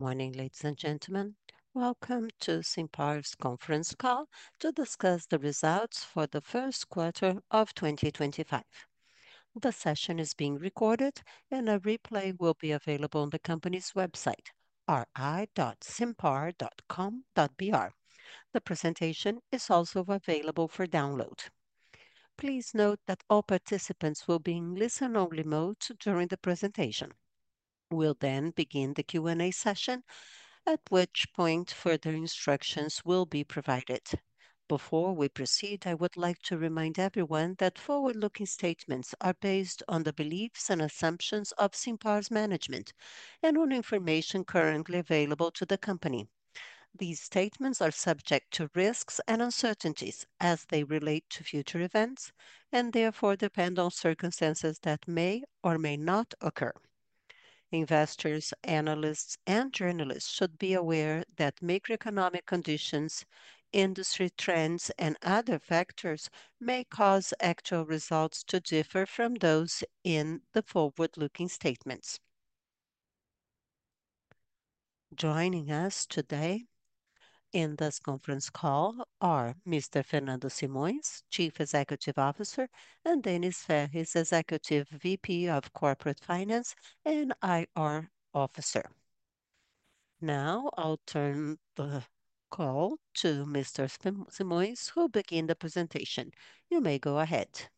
Morning, ladies and gentlemen. Welcome to SIMPAR's conference call to discuss the results for the first quarter of 2025. The session is being recorded, and a replay will be available on the company's website, ri.simpar.com.br. The presentation is also available for download. Please note that all participants will be in listen-only mode during the presentation. We'll then begin the Q&A session, at which point further instructions will be provided. Before we proceed, I would like to remind everyone that forward-looking statements are based on the beliefs and assumptions of SIMPAR's management and on information currently available to the company. These statements are subject to risks and uncertainties, as they relate to future events and therefore depend on circumstances that may or may not occur. Investors, analysts, and journalists should be aware that macroeconomic conditions, industry trends, and other factors may cause actual results to differ from those in the forward-looking statements. Joining us today in this conference call are Mr. Fernando Simões, Chief Executive Officer, and Denys Ferriz, Executive VP of Corporate Finance and IR Officer. Now I'll turn the call to Mr. Simões, who will begin the presentation. You may go ahead.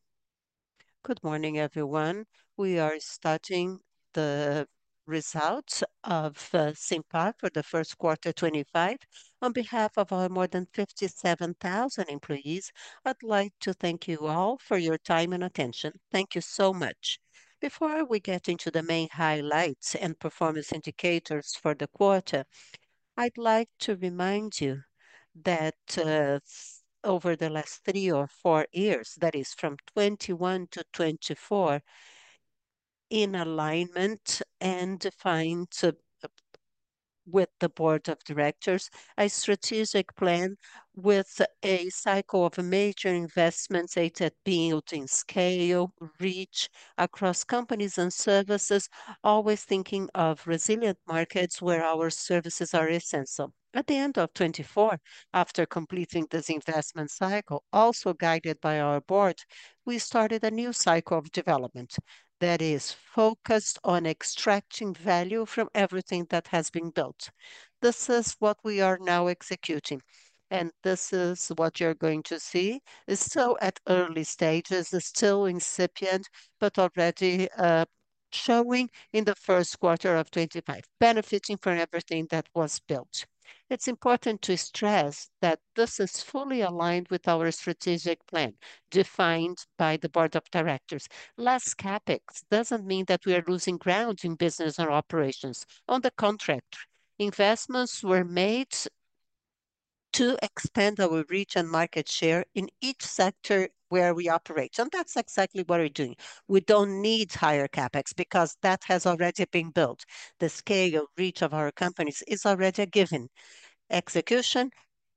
Good morning, everyone. We are starting the results of SIMPAR for the first quarter 2025. On behalf of our more than 57,000 employees, I'd like to thank you all for your time and attention. Thank you so much. Before we get into the main highlights and performance indicators for the quarter, I'd like to remind you that over the last three or four years, that is, from 2021 to 2024, in alignment and defined with the board of directors, a strategic plan with a cycle of major investments aimed at building scale, reach across companies and services, always thinking of resilient markets where our services are essential. At the end of 2024, after completing this investment cycle, also guided by our board, we started a new cycle of development that is focused on extracting value from everything that has been built. This is what we are now executing, and this is what you're going to see. It's still at early stages, still incipient, but already showing in the first quarter of 2025, benefiting from everything that was built. It's important to stress that this is fully aligned with our strategic plan defined by the board of directors. Less CapEx doesn't mean that we are losing ground in business and operations. On the contrary, investments were made to expand our reach and market share in each sector where we operate, and that's exactly what we're doing. We don't need higher CapEx because that has already been built. The scale of reach of our companies is already a given. Execution,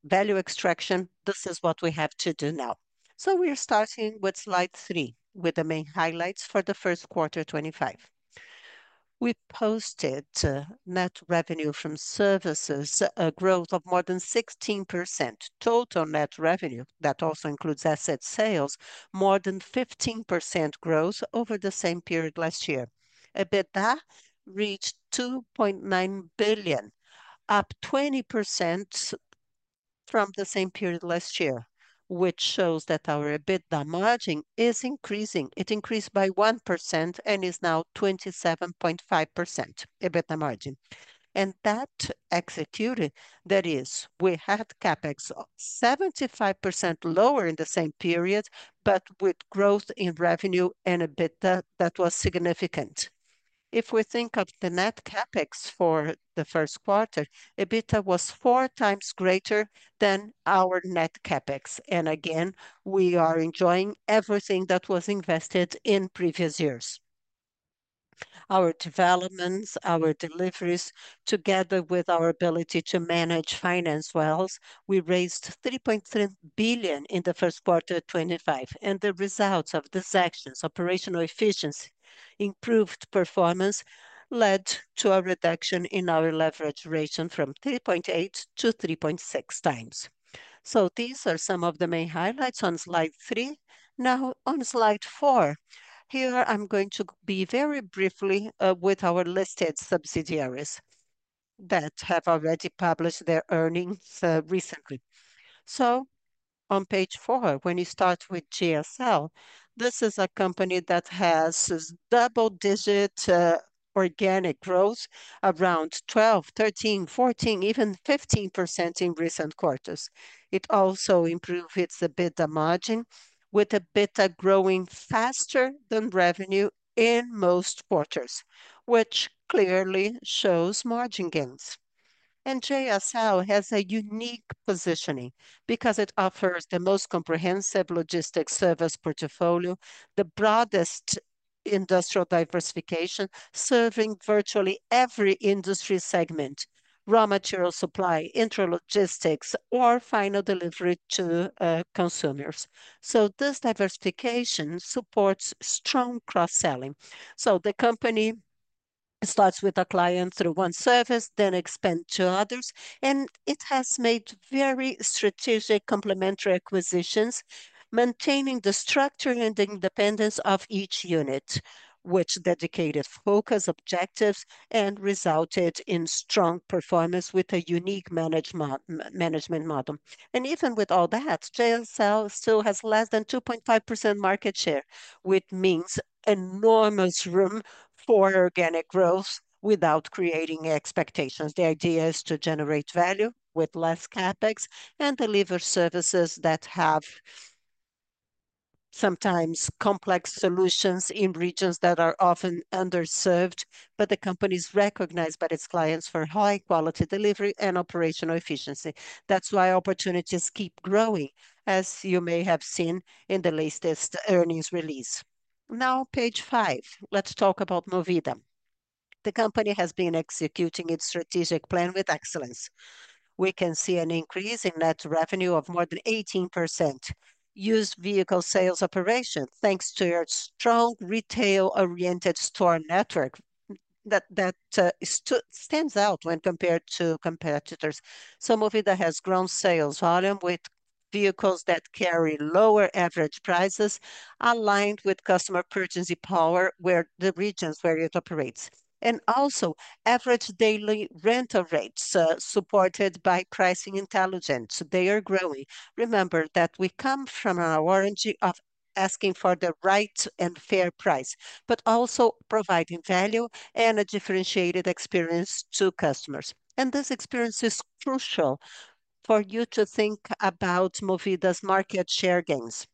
value extraction, this is what we have to do now. We're starting with slide three, with the main highlights for the first quarter 2025. We posted net revenue from services, a growth of more than 16%. Total net revenue, that also includes asset sales, more than 15% growth over the same period last year. EBITDA reached 2.9 billion, up 20% from the same period last year, which shows that our EBITDA margin is increasing. It increased by 1% and is now 27.5% EBITDA margin. That executed, that is, we had CapEx 75% lower in the same period, but with growth in revenue and EBITDA that was significant. If we think of the net CapEx for the first quarter, EBITDA was four times greater than our net CapEx. Again, we are enjoying everything that was invested in previous years. Our developments, our deliveries, together with our ability to manage finance wells, we raised 3.3 billion in the first quarter 2025. The results of these actions, operational efficiency, improved performance, led to a reduction in our leverage ratio from 3.8 to 3.6 times. These are some of the main highlights on slide three. Now on slide four, here I'm going to be very briefly with our listed subsidiaries that have already published their earnings recently. On page four, when you start with JSL, this is a company that has double-digit organic growth, around 12%, 13%, 14%, even 15% in recent quarters. It also improved its EBITDA margin, with EBITDA growing faster than revenue in most quarters, which clearly shows margin gains. JSL has a unique positioning because it offers the most comprehensive logistics service portfolio, the broadest industrial diversification, serving virtually every industry segment: raw material supply, interlogistics, or final delivery to consumers. This diversification supports strong cross-selling. The company starts with a client through one service, then expands to others, and it has made very strategic complementary acquisitions, maintaining the structure and the independence of each unit, with dedicated focus, objectives, and resulted in strong performance with a unique management model. Even with all that, JSL still has less than 2.5% market share, which means enormous room for organic growth without creating expectations. The idea is to generate value with less CapEx and deliver services that have sometimes complex solutions in regions that are often underserved, but the company is recognized by its clients for high-quality delivery and operational efficiency. That is why opportunities keep growing, as you may have seen in the latest earnings release. Now, page five, let's talk about Movida. The company has been executing its strategic plan with excellence. We can see an increase in net revenue of more than 18%. Used vehicle sales operation, thanks to your strong retail-oriented store network, that stands out when compared to competitors. Movida has grown sales volume with vehicles that carry lower average prices, aligned with customer purchasing power where the regions where it operates. Also, average daily rental rates supported by pricing intelligence. They are growing. Remember that we come from our warranty of asking for the right and fair price, but also providing value and a differentiated experience to customers. This experience is crucial for you to think about Movida's market share gains.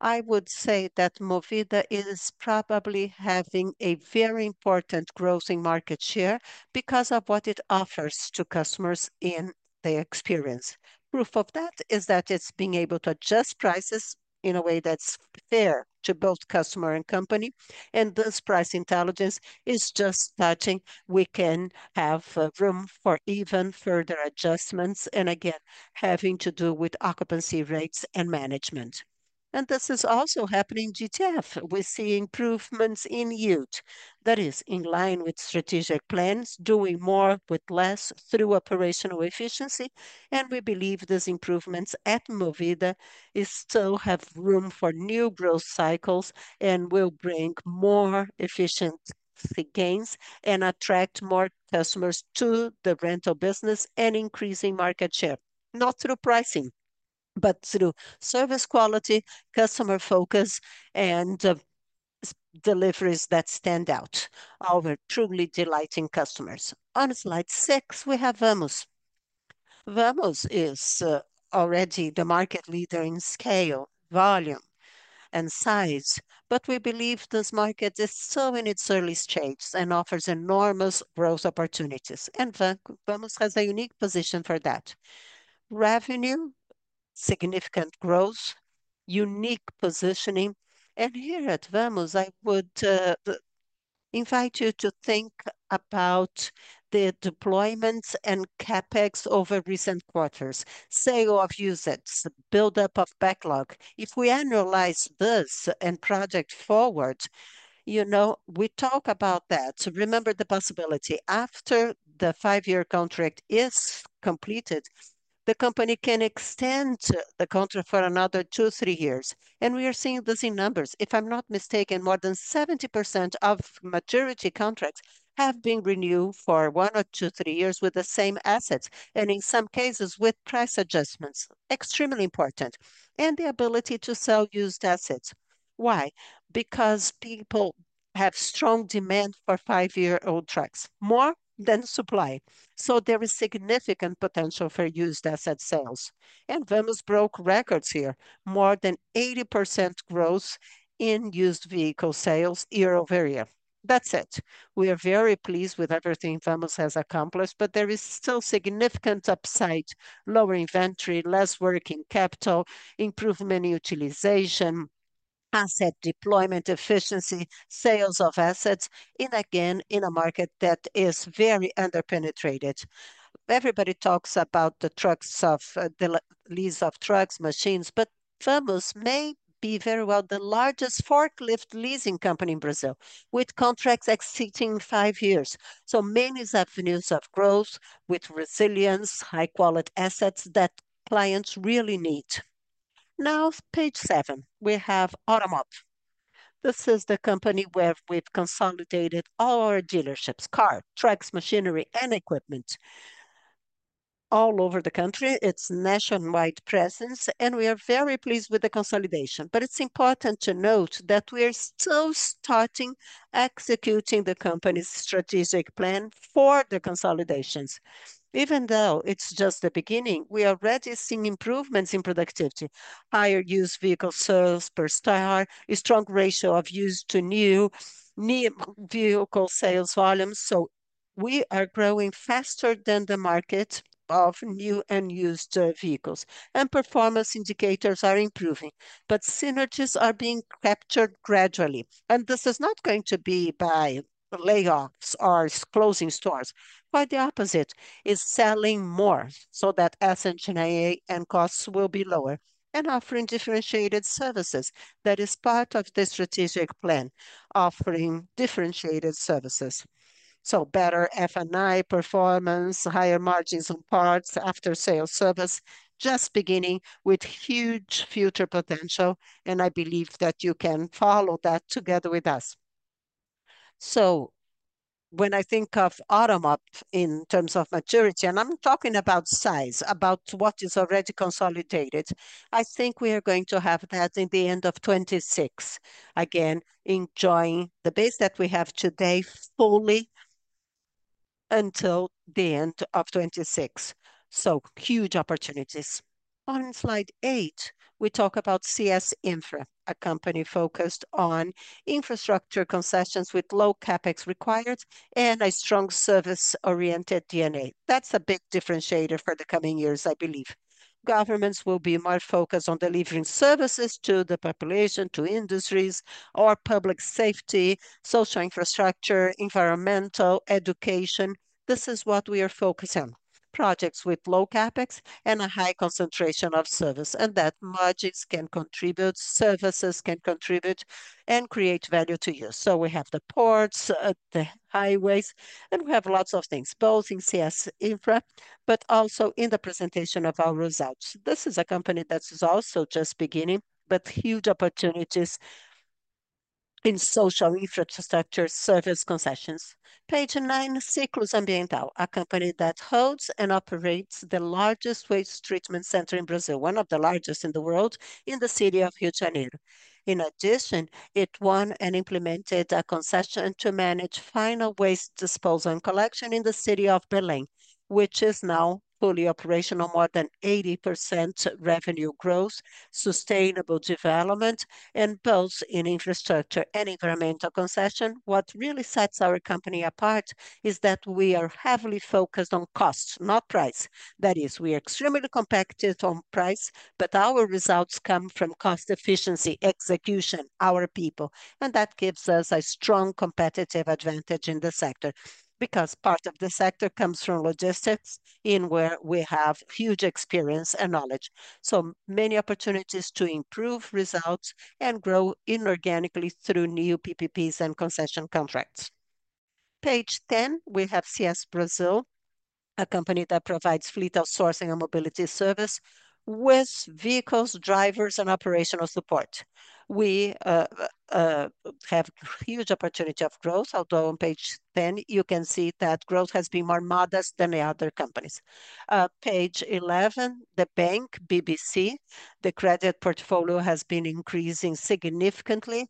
I would say that Movida is probably having a very important growth in market share because of what it offers to customers in the experience. Proof of that is that it's being able to adjust prices in a way that's fair to both customer and company. This price intelligence is just starting. We can have room for even further adjustments. Again, having to do with occupancy rates and management. This is also happening in GTF. We see improvements in use. That is, in line with strategic plans, doing more with less through operational efficiency. We believe these improvements at Movida still have room for new growth cycles and will bring more efficiency gains and attract more customers to the rental business, increasing market share, not through pricing, but through service quality, customer focus, and deliveries that stand out. Our truly delighting customers. On slide six, we have Vamos. Vamos is already the market leader in scale, volume, and size, but we believe this market is still in its early stages and offers enormous growth opportunities. Vamos has a unique position for that. Revenue, significant growth, unique positioning. Here at Vamos, I would invite you to think about the deployments and CapEx over recent quarters. Sale of usage, buildup of backlog. If we analyze this and project forward, you know we talk about that. Remember the possibility after the five-year contract is completed, the company can extend the contract for another two or three years. We are seeing this in numbers. If I'm not mistaken, more than 70% of maturity contracts have been renewed for one or two or three years with the same assets, and in some cases with price adjustments. Extremely important. The ability to sell used assets. Why? Because people have strong demand for five-year-old trucks, more than supply. There is significant potential for used asset sales. Vamos broke records here. More than 80% growth in used vehicle sales year over year. That's it. We are very pleased with everything Vamos has accomplished, but there is still significant upside, lower inventory, less working capital, improved money utilization, asset deployment efficiency, sales of assets, and again, in a market that is very underpenetrated. Everybody talks about the lease of trucks, machines, but Vamos may be very well the largest forklift leasing company in Brazil, with contracts exceeding five years. So many avenues of growth with resilience, high-quality assets that clients really need. Now, page seven, we have Automob. This is the company where we have consolidated all our dealerships, car, trucks, machinery, and equipment all over the country. It is a nationwide presence, and we are very pleased with the consolidation. It is important to note that we are still starting executing the company's strategic plan for the consolidations. Even though it's just the beginning, we are already seeing improvements in productivity, higher used vehicle sales per store, a strong ratio of used to new vehicle sales volumes. We are growing faster than the market of new and used vehicles, and performance indicators are improving, but synergies are being captured gradually. This is not going to be by layoffs or closing stores. Quite the opposite is selling more so that asset and costs will be lower and offering differentiated services. That is part of the strategic plan, offering differentiated services. Better F&I performance, higher margins on parts, after-sales service, just beginning with huge future potential. I believe that you can follow that together with us. When I think of Automob in terms of maturity, and I'm talking about size, about what is already consolidated, I think we are going to have that in the end of 2026. Again, enjoying the base that we have today fully until the end of 2026. Huge opportunities. On slide eight, we talk about CS Infra, a company focused on infrastructure concessions with low CapEx required and a strong service-oriented DNA. That's a big differentiator for the coming years, I believe. Governments will be more focused on delivering services to the population, to industries, or public safety, social infrastructure, environmental, education. This is what we are focusing on. Projects with low CapEx and a high concentration of service, and that margins can contribute, services can contribute, and create value to use. We have the ports, the highways, and we have lots of things, both in CS Infra, but also in the presentation of our results. This is a company that is also just beginning, but huge opportunities in social infrastructure service concessions. Page nine, Ciclus Ambiental, a company that holds and operates the largest waste treatment center in Brazil, one of the largest in the world, in the city of Rio de Janeiro. In addition, it won and implemented a concession to manage final waste disposal and collection in the city of Berlin, which is now fully operational, more than 80% revenue growth, sustainable development, and both in infrastructure and environmental concession. What really sets our company apart is that we are heavily focused on cost, not price. That is, we are extremely competitive on price, but our results come from cost efficiency, execution, our people, and that gives us a strong competitive advantage in the sector because part of the sector comes from logistics in where we have huge experience and knowledge. So many opportunities to improve results and grow inorganically through new PPPs and concession contracts. Page 10, we have CS Brazil, a company that provides fleet outsourcing and mobility service with vehicles, drivers, and operational support. We have huge opportunity of growth, although on page 10, you can see that growth has been more modest than the other companies. Page 11, the bank, BBC, the credit portfolio has been increasing significantly,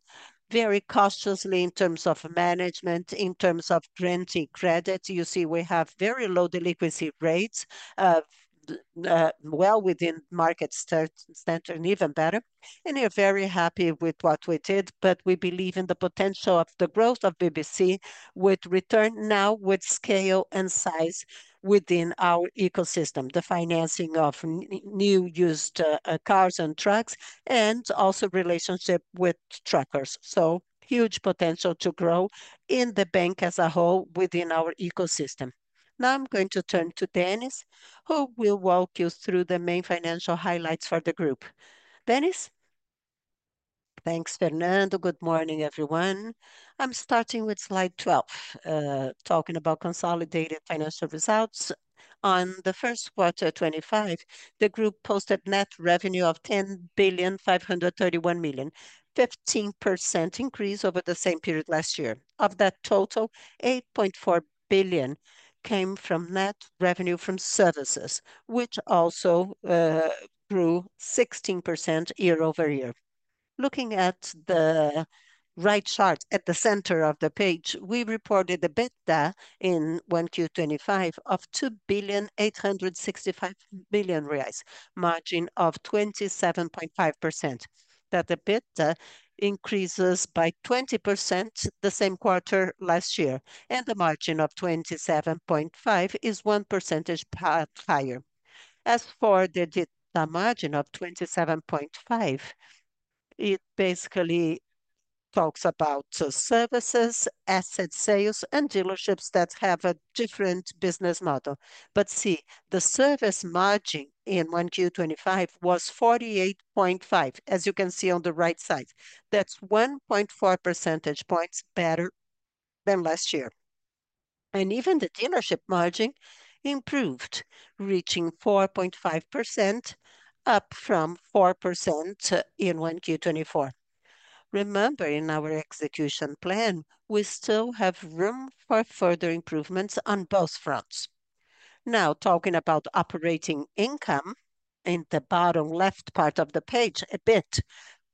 very cautiously in terms of management, in terms of renting credit. You see, we have very low delinquency rates, well within market standard and even better. We are very happy with what we did, but we believe in the potential of the growth of BBC with return now with scale and size within our ecosystem, the financing of new used cars and trucks, and also relationship with truckers. Huge potential to grow in the bank as a whole within our ecosystem. Now I'm going to turn to Denys, who will walk you through the main financial highlights for the group. Denys. Thanks, Fernando. Good morning, everyone. I'm starting with slide 12, talking about consolidated financial results. In the first quarter 2025, the group posted net revenue of 10.531 billion, a 15% increase over the same period last year. Of that total, 8.4 billion came from net revenue from services, which also grew 16% year-over-year. Looking at the right chart at the center of the page, we reported the EBITDA in 1Q25 of 2.865 billion, margin of 27.5%. That EBITDA increases by 20% the same quarter last year, and the margin of 27.5% is one percentage point higher. As for the EBITDA margin of 27.5%, it basically talks about services, asset sales, and dealerships that have a different business model. See, the service margin in 1Q25 was 48.5%, as you can see on the right side. That is 1.4 percentage points better than last year. Even the dealership margin improved, reaching 4.5%, up from 4% in 1Q24. Remember, in our execution plan, we still have room for further improvements on both fronts. Now, talking about operating income in the bottom left part of the page, a bit,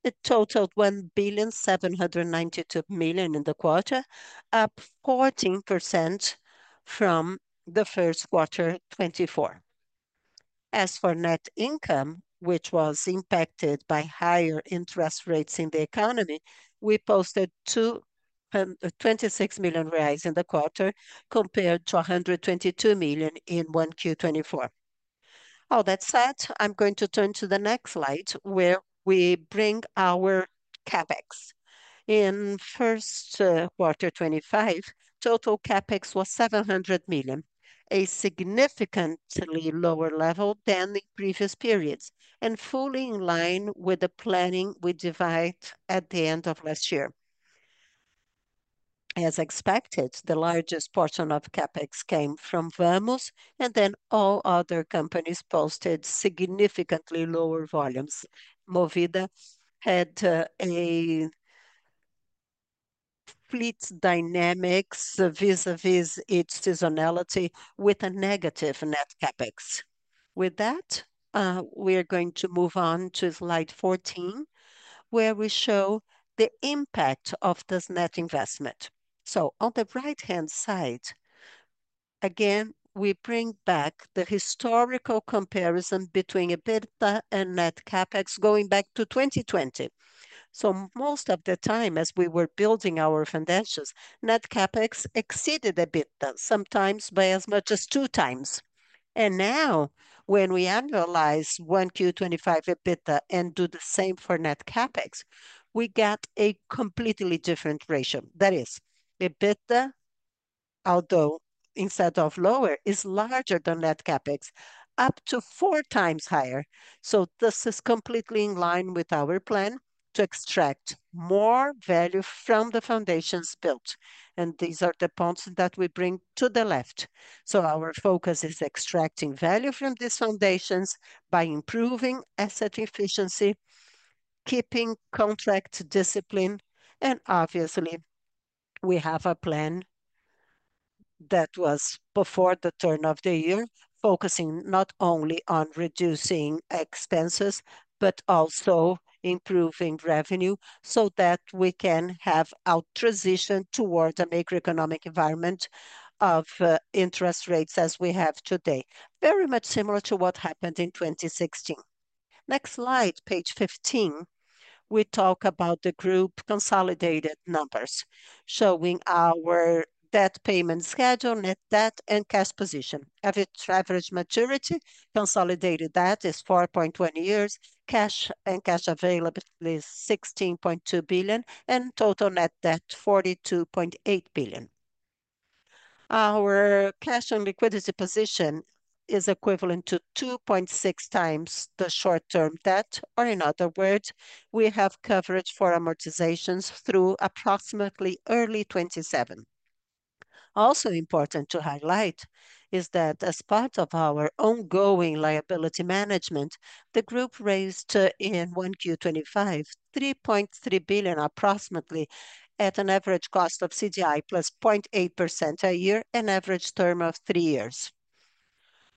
it totaled 1.792 billion in the quarter, up 14% from the first quarter 2024. As for net income, which was impacted by higher interest rates in the economy, we posted 26 million reais in the quarter compared to 122 million in first quarter 2024. All that said, I'm going to turn to the next slide where we bring our CapEx. In first quarter 2025, total CapEx was 700 million, a significantly lower level than in previous periods, and fully in line with the planning we devised at the end of last year. As expected, the largest portion of CapEx came from Vamos, and then all other companies posted significantly lower volumes. Movida had a fleet dynamics vis-à-vis its seasonality with a negative net CapEx. With that, we are going to move on to slide 14, where we show the impact of this net investment. On the right-hand side, again, we bring back the historical comparison between EBITDA and net CapEx going back to 2020. Most of the time as we were building our foundations, net CapEx exceeded EBITDA, sometimes by as much as two times. Now when we analyze 1Q2025 EBITDA and do the same for net CapEx, we get a completely different ratio. That is, EBITDA, although instead of lower, is larger than net CapEx, up to four times higher. This is completely in line with our plan to extract more value from the foundations built. These are the points that we bring to the left. Our focus is extracting value from these foundations by improving asset efficiency, keeping contract discipline, and obviously, we have a plan that was before the turn of the year, focusing not only on reducing expenses, but also improving revenue so that we can have our transition towards a macroeconomic environment of interest rates as we have today. Very much similar to what happened in 2016. Next slide, page 15, we talk about the group consolidated numbers showing our debt payment schedule, net debt, and cash position. Average maturity, consolidated debt is 4.1 years, cash and cash availability is 16.2 billion, and total net debt 42.8 billion. Our cash and liquidity position is equivalent to 2.6 times the short-term debt, or in other words, we have coverage for amortizations through approximately early 2027. Also important to highlight is that as part of our ongoing liability management, the group raised in 1Q25 3.3 billion approximately at an average cost of CDI plus 0.8% a year, an average term of three years.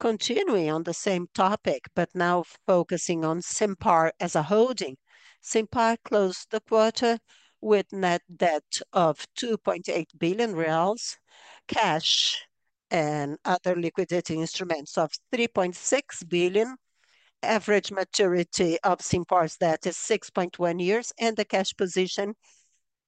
Continuing on the same topic, but now focusing on SIMPAR as a holding, SIMPAR closed the quarter with net debt of 2.8 billion reais, cash and other liquidity instruments of 3.6 billion. Average maturity of SIMPAR's debt is 6.1 years, and the cash position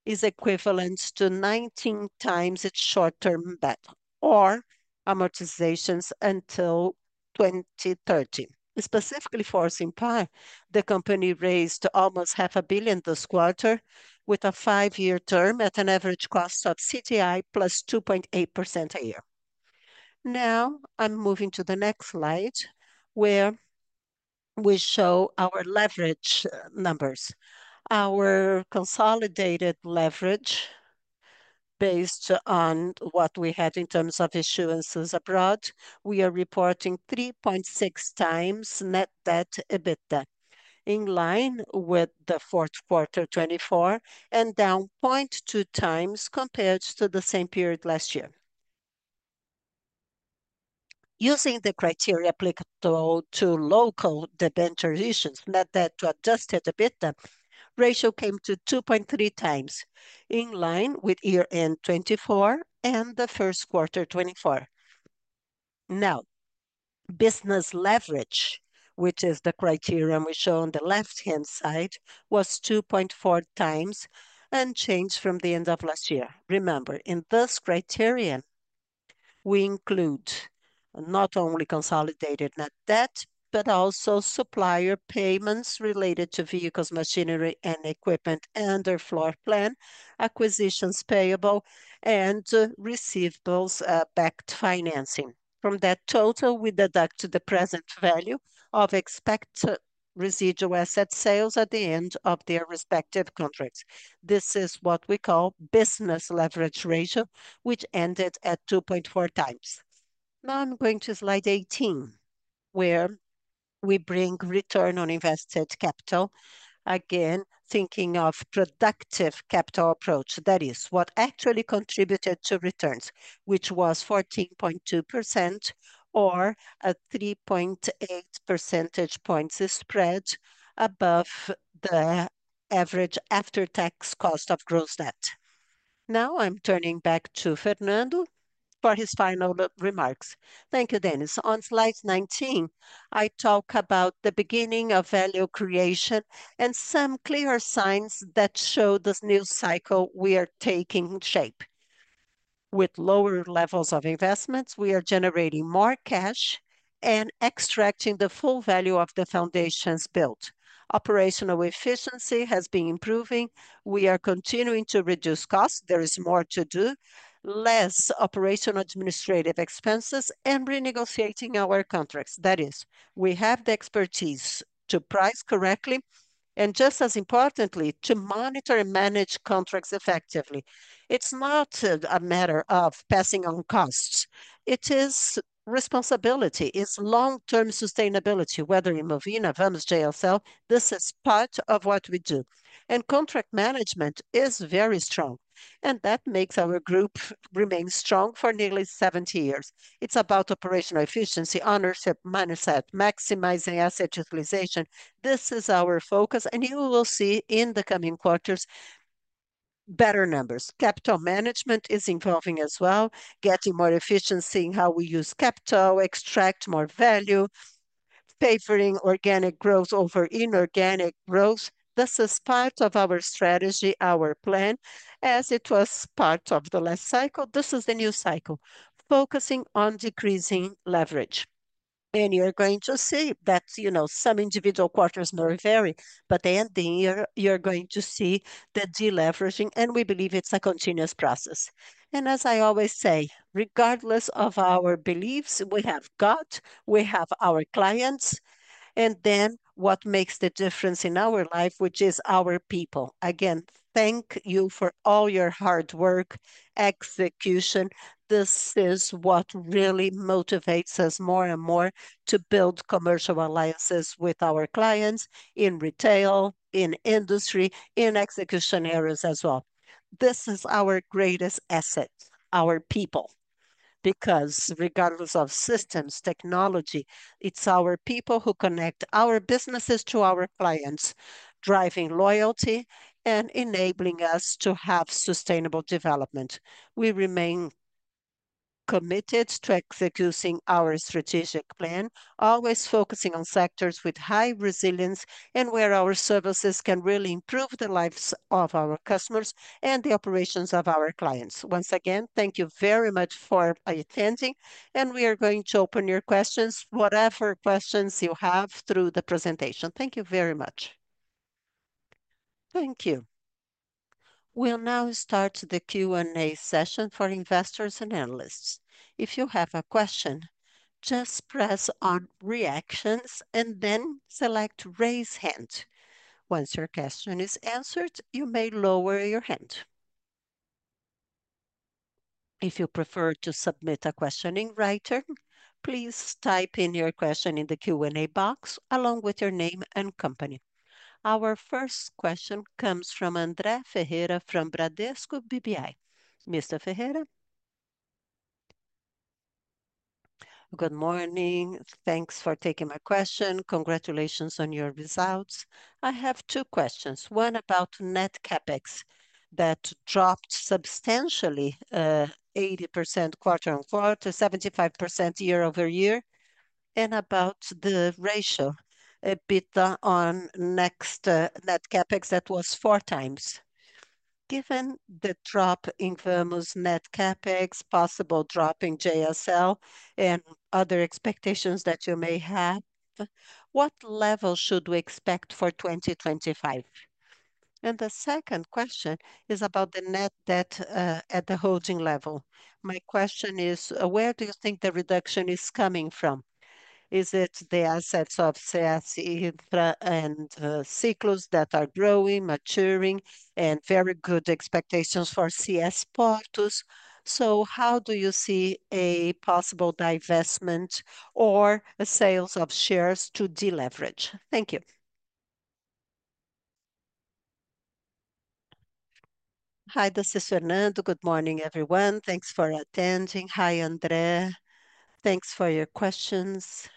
is equivalent to 19 times its short-term debt or amortizations until 2030. Specifically for SIMPAR, the company raised almost 500,000,000 this quarter with a five-year term at an average cost of CDI plus 2.8% a year. Now I'm moving to the next slide where we show our leverage numbers. Our consolidated leverage based on what we had in terms of issuances abroad, we are reporting 3.6 times net debt to EBITDA in line with the fourth quarter 2024 and down 0.2 times compared to the same period last year. Using the criteria applicable to local debenture issuance, net debt to adjusted EBITDA ratio came to 2.3 times in line with year-end 2024 and the first quarter 2024. Now, business leverage, which is the criterion we show on the left-hand side, was 2.4 times and changed from the end of last year. Remember, in this criterion, we include not only consolidated net debt, but also supplier payments related to vehicles, machinery, and equipment under floor plan, acquisitions payable, and receivables backed financing. From that total, we deduct the present value of expected residual asset sales at the end of their respective contracts. This is what we call business leverage ratio, which ended at 2.4 times. Now I'm going to slide 18, where we bring return on invested capital. Again, thinking of productive capital approach, that is, what actually contributed to returns, which was 14.2% or a 3.8 percentage points spread above the average after-tax cost of gross debt. Now I'm turning back to Fernando for his final remarks. Thank you, Denys. On slide 19, I talk about the beginning of value creation and some clear signs that show this new cycle we are taking shape. With lower levels of investments, we are generating more cash and extracting the full value of the foundations built. Operational efficiency has been improving. We are continuing to reduce costs. There is more to do, less operational administrative expenses, and renegotiating our contracts. That is, we have the expertise to price correctly and, just as importantly, to monitor and manage contracts effectively. It's not a matter of passing on costs. It is responsibility. It's long-term sustainability, whether in Movida, Vamos, JSL. This is part of what we do. Contract management is very strong. That makes our group remain strong for nearly 70 years. It's about operational efficiency, ownership, mindset, maximizing asset utilization. This is our focus. You will see in the coming quarters better numbers. Capital management is evolving as well, getting more efficient seeing how we use capital, extract more value, favoring organic growth over inorganic growth. This is part of our strategy, our plan, as it was part of the last cycle. This is the new cycle, focusing on decreasing leverage. You're going to see that, you know, some individual quarters may vary, but at the end of the year, you're going to see the deleveraging, and we believe it's a continuous process. As I always say, regardless of our beliefs, we have got, we have our clients, and then what makes the difference in our life, which is our people. Again, thank you for all your hard work, execution. This is what really motivates us more and more to build commercial alliances with our clients in retail, in industry, in execution areas as well. This is our greatest asset, our people, because regardless of systems, technology, it is our people who connect our businesses to our clients, driving loyalty and enabling us to have sustainable development. We remain committed to executing our strategic plan, always focusing on sectors with high resilience and where our services can really improve the lives of our customers and the operations of our clients. Once again, thank you very much for attending, and we are going to open your questions, whatever questions you have through the presentation. Thank you very much. Thank you. We will now start the Q&A session for investors and analysts. If you have a question, just press on reactions and then select raise hand. Once your question is answered, you may lower your hand. If you prefer to submit a question in writing, please type in your question in the Q&A box along with your name and company. Our first question comes from André Ferreira from Bradesco BBI. Mr. Ferreira, good morning. Thanks for taking my question. Congratulations on your results. I have two questions. One about net CapEx that dropped substantially, 80% quarter on quarter, 75% year over year, and about the ratio EBITDA on next net CapEx that was four times. Given the drop in Vamos net CapEx, possible drop in JSL, and other expectations that you may have, what level should we expect for 2025? The second question is about the net debt at the holding level. My question is, where do you think the reduction is coming from? Is it the assets of CS Infra and Ciclus that are growing, maturing, and very good expectations for CS Portos? How do you see a possible divestment or a sale of shares to deleverage? Thank you. Hi, this is Fernando. Good morning, everyone. Thanks for attending. Hi, André. Thanks for your questions.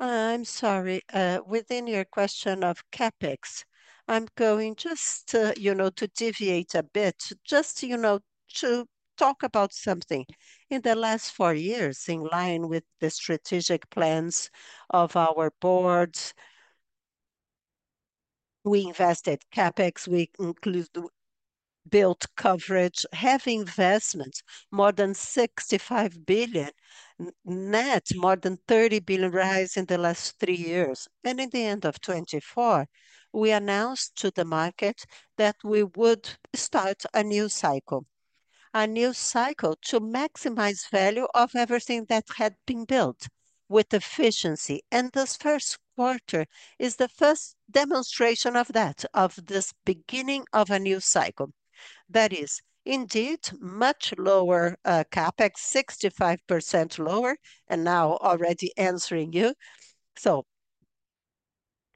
I'm sorry, within your question of CapEx, I'm going just, you know, to deviate a bit, just, you know, to talk about something. In the last four years, in line with the strategic plans of our board, we invested CapEx, we built coverage, have investment, more than 65 billion, net more than 30 billion in the last three years. In the end of 2024, we announced to the market that we would start a new cycle, a new cycle to maximize value of everything that had been built with efficiency. This first quarter is the first demonstration of that, of this beginning of a new cycle. That is, indeed, much lower CapEx, 65% lower, and now already answering you. A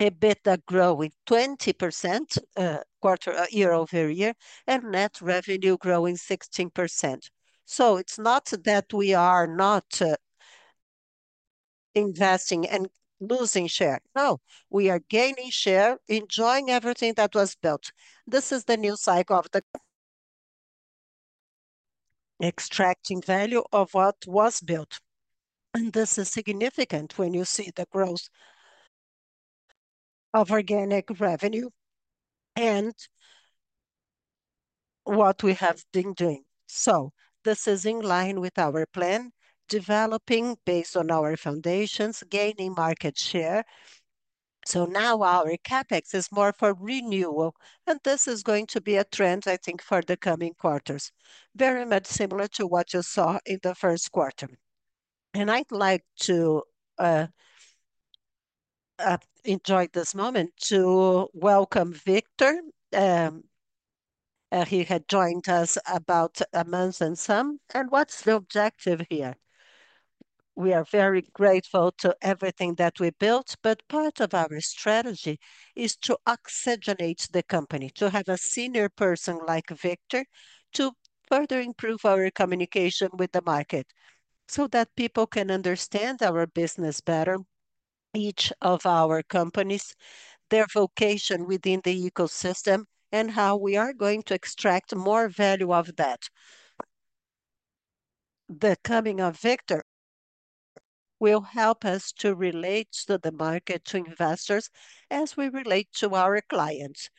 EBITDA growing 20% quarter year over year and net revenue growing 16%. It is not that we are not investing and losing share. No, we are gaining share, enjoying everything that was built. This is the new cycle of extracting value of what was built. This is significant when you see the growth of organic revenue and what we have been doing. This is in line with our plan, developing based on our foundations, gaining market share. Now our CapEx is more for renewal, and this is going to be a trend, I think, for the coming quarters, very much similar to what you saw in the first quarter. I'd like to enjoy this moment to welcome Victor. He had joined us about a month and some. What's the objective here? We are very grateful to everything that we built, but part of our strategy is to oxygenate the company, to have a senior person like Victor to further improve our communication with the market so that people can understand our business better, each of our companies, their vocation within the ecosystem, and how we are going to extract more value of that. The coming of Victor will help us to relate to the market, to investors, as we relate to our clients.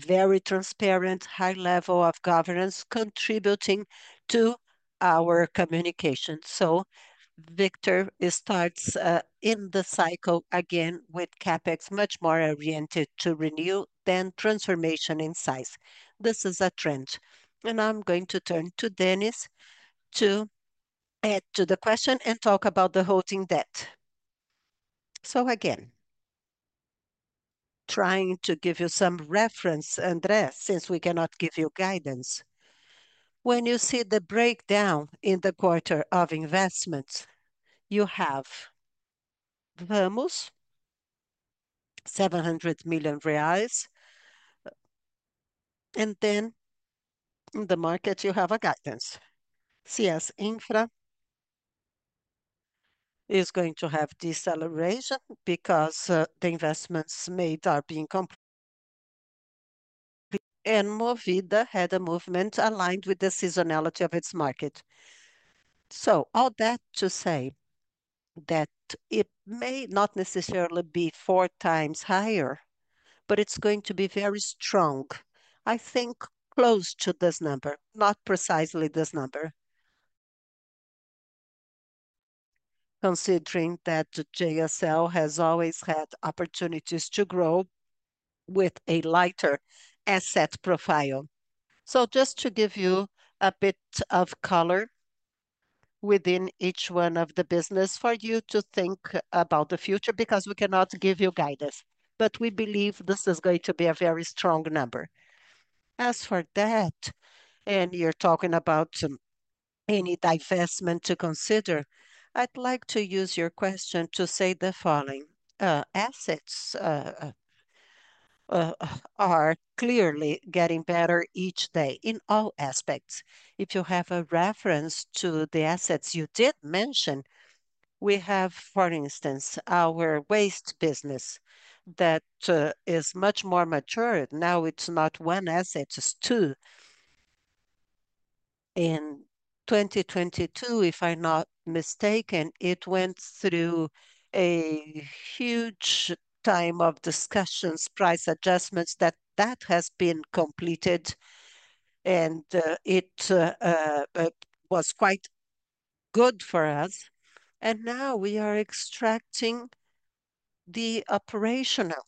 Very transparent, high level of governance contributing to our communication. Victor starts in the cycle again with CapEx much more oriented to renew than transformation in size. This is a trend. I am going to turn to Denys to add to the question and talk about the holding debt. Again, trying to give you some reference, André, since we cannot give you guidance. When you see the breakdown in the quarter of investments, you have Vamos, BRL 700 million, and then in the market, you have a guidance. CS Infra is going to have deceleration because the investments made are being complex, and Movida had a movement aligned with the seasonality of its market. All that to say that it may not necessarily be four times higher, but it is going to be very strong, I think close to this number, not precisely this number, considering that JSL has always had opportunities to grow with a lighter asset profile. Just to give you a bit of color within each one of the business for you to think about the future, because we cannot give you guidance, but we believe this is going to be a very strong number. As for that, and you're talking about any divestment to consider, I'd like to use your question to say the following. Assets are clearly getting better each day in all aspects. If you have a reference to the assets you did mention, we have, for instance, our waste business that is much more matured. Now it's not one asset, it's two. In 2022, if I'm not mistaken, it went through a huge time of discussions, price adjustments that has been completed, and it was quite good for us. Now we are extracting the operational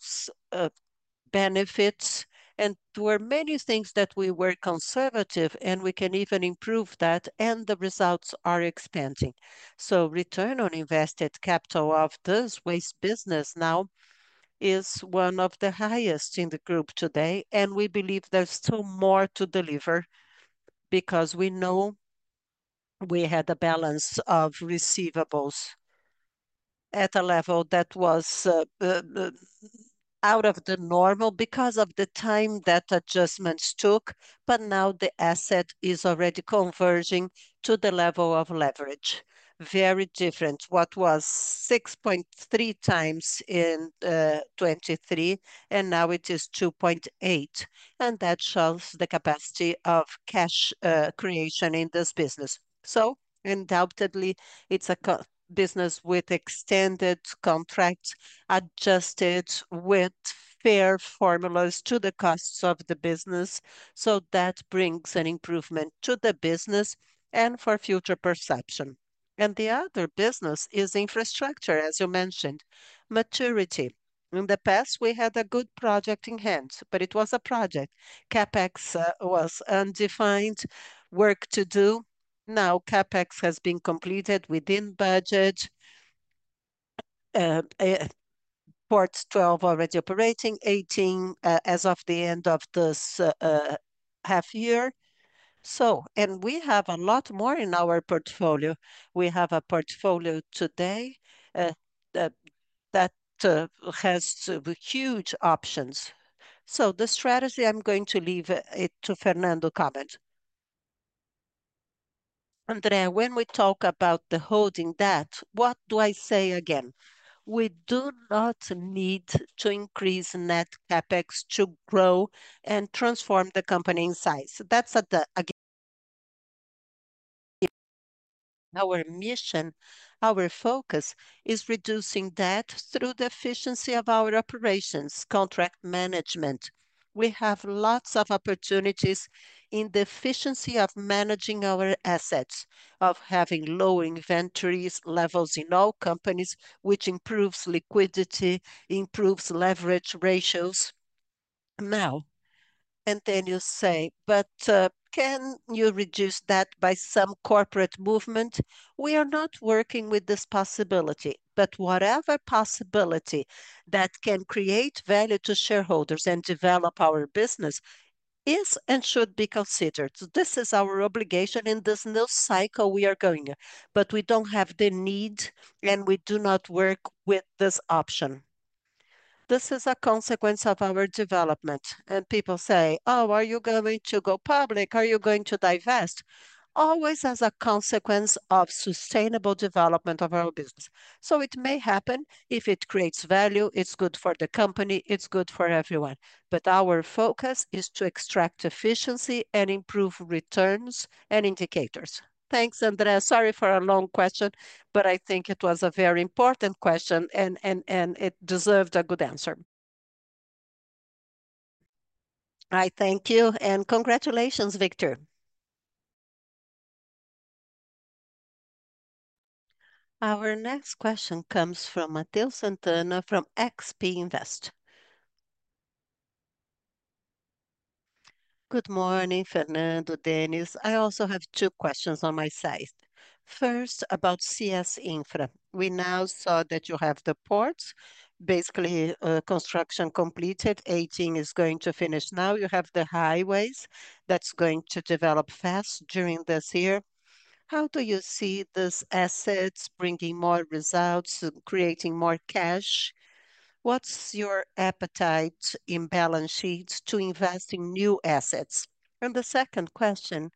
benefits, and there were many things that we were conservative, and we can even improve that, and the results are expanding. Return on invested capital of this waste business now is one of the highest in the group today, and we believe there's still more to deliver because we know we had a balance of receivables at a level that was out of the normal because of the time that adjustments took, but now the asset is already converging to the level of leverage. Very different. What was 6.3 times in 2023, and now it is 2.8, and that shows the capacity of cash creation in this business. Undoubtedly, it's a business with extended contracts adjusted with fair formulas to the costs of the business. That brings an improvement to the business and for future perception. The other business is infrastructure, as you mentioned, maturity. In the past, we had a good project in hand, but it was a project. CapEx was undefined, work to do. Now CapEx has been completed within budget. Port 12 already operating, 18 as of the end of this half year. We have a lot more in our portfolio. We have a portfolio today that has huge options. The strategy, I'm going to leave it to Fernando to comment. André, when we talk about the holding debt, what do I say again? We do not need to increase net CapEx to grow and transform the company in size. That's at the, again, our mission, our focus is reducing debt through the efficiency of our operations, contract management. We have lots of opportunities in the efficiency of managing our assets, of having low inventories levels in all companies, which improves liquidity, improves leverage ratios. Now, you say, but can you reduce that by some corporate movement? We are not working with this possibility, but whatever possibility that can create value to shareholders and develop our business is and should be considered. This is our obligation in this new cycle we are going, but we do not have the need and we do not work with this option. This is a consequence of our development. People say, oh, are you going to go public? Are you going to divest? Always as a consequence of sustainable development of our business. It may happen if it creates value, it is good for the company, it is good for everyone. Our focus is to extract efficiency and improve returns and indicators. Thanks, André. Sorry for a long question, but I think it was a very important question and it deserved a good answer. I thank you and congratulations, Victor. Our next question comes from Matheus Sant'anna from XP Investimentos. Good morning, Fernando, Denys. I also have two questions on my side. First, about CS Infra. We now saw that you have the ports, basically construction completed. Eighteen is going to finish now. You have the highways that are going to develop fast during this year. How do you see these assets bringing more results, creating more cash? What is your appetite in balance sheets to invest in new assets? The second question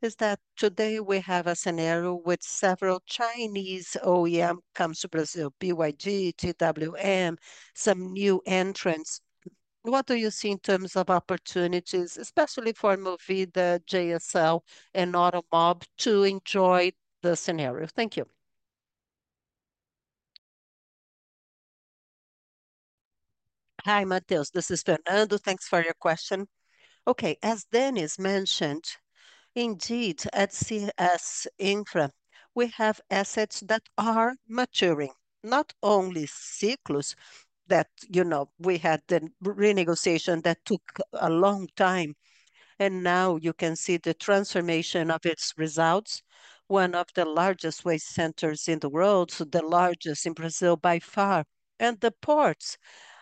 is that today we have a scenario with several Chinese OEMs coming to Brazil, BYD, GWM, some new entrants. What do you see in terms of opportunities, especially for Movida, JSL, and Automob to enjoy the scenario? Thank you. Hi, Matheus. This is Fernando. Thanks for your question. Okay, as Denys mentioned, indeed, at CS Infra, we have assets that are maturing, not only Ciclus that, you know, we had the renegotiation that took a long time. Now you can see the transformation of its results, one of the largest waste centers in the world, the largest in Brazil by far. The ports,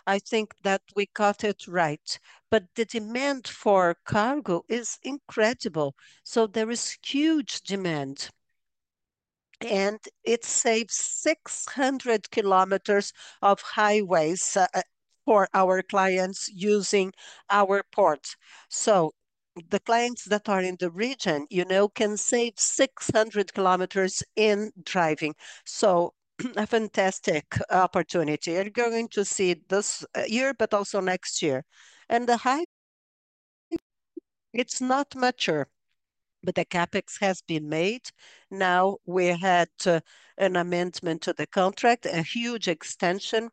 I think that we caught it right, but the demand for cargo is incredible. There is huge demand. It saves 600 km of highways for our clients using our ports. The clients that are in the region, you know, can save 600 km in driving. A fantastic opportunity. You are going to see this year, but also next year. The high, it's not mature, but the CapEx has been made. Now we had an amendment to the contract, a huge extension.